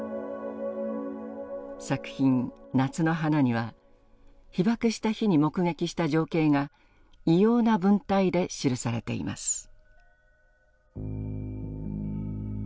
作品「夏の花」には被爆した日に目撃した情景が異様な文体で記されています。